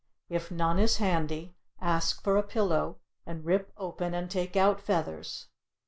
(If none is handy, ask for a pillow and rip open and take out feathers.)